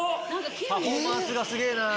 パフォーマンスがすげぇな！